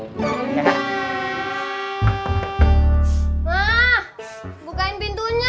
mah bukain pintunya